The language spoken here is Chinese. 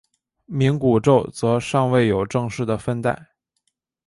冥古宙则尚未有正式的分代。